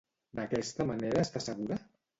D'aquesta manera està segura?